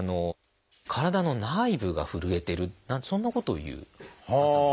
「体の内部がふるえてる」なんてそんなことを言う方も。